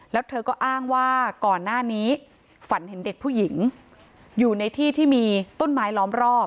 แล้วเธอก็อ้างว่าก่อนหน้านี้ฝันเห็นเด็กผู้หญิงอยู่ในที่ที่มีต้นไม้ล้อมรอบ